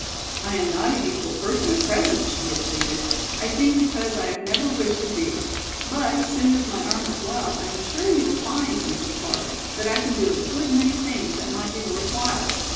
"I am not a useful person at present," she had pleaded, "I think because I have never wished to be, but as soon as my arm is well I am sure you will find, Mrs. Clark, that I can do a good many things that might be worth while.